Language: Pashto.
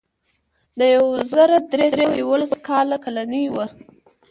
د یو زر درې سوه یوولس کال کالنۍ وه.